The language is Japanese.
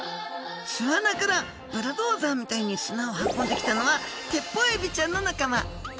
巣穴からブルドーザーみたいに砂を運んできたのはテッポウエビちゃんの仲間。